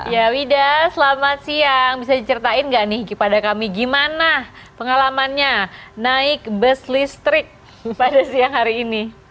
ya wida selamat siang bisa diceritain nggak nih kepada kami gimana pengalamannya naik bus listrik pada siang hari ini